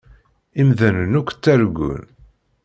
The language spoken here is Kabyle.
Imdanen akk ttargun.